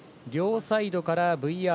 両サイドからＶＲ。